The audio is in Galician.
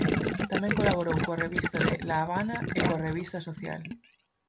Tamén colaborou coa "Revista de La Habana" e coa "Revista Social".